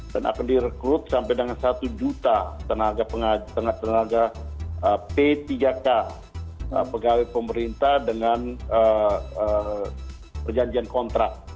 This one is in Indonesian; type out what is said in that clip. dan akan direkrut sampai dengan satu juta tenaga tenaga p tiga k pegawai pemerintah dengan perjanjian kontrak